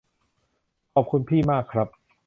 ขอบคุณพี่มากครับ